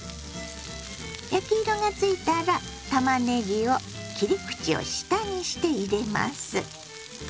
焼き色がついたらたまねぎを切り口を下にして入れます。